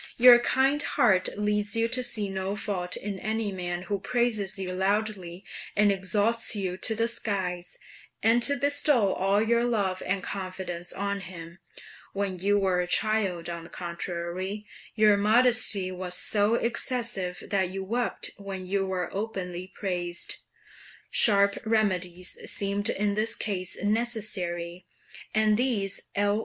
"Your kind heart leads you to see no fault in any man who praises you loudly and exalts you to the skies, and to bestow all your love and confidence on him; when you were a child, on the contrary, your modesty was so excessive that you wept when you were openly praised." Sharp remedies seemed in this case necessary, and these L.